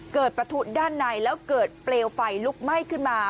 ประทุด้านในแล้วเกิดเปลวไฟลุกไหม้ขึ้นมา